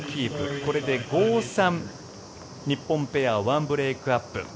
これで５−３日本ペア、１ブレークアップ。